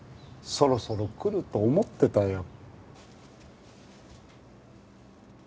そろそろ来ると思ってたよ。